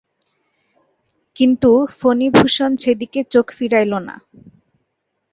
কিন্তু, ফণিভূষণ সেদিকে চোখ ফিরাইল না।